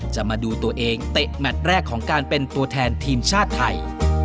จะมาดูตัวเองเตะแมทแรกของการเป็นตัวแทนทีมชาติไทย